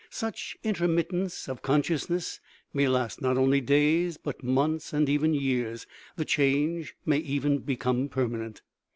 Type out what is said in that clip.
Such intermittence of consciousness may last not only days, but months, and even years; the change may even become permanent.